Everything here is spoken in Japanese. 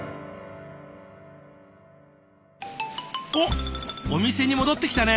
おっお店に戻ってきたね。